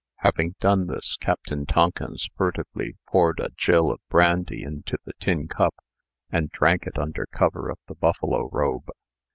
Having done this, Captain Tonkins furtively poured a gill of brandy into the tin cup, and drank it under cover of the buffalo robe.